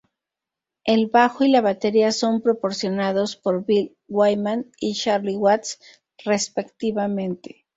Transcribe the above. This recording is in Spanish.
El bajo y la batería son proporcionados por Bill Wyman y Charlie Watts, respectivamente.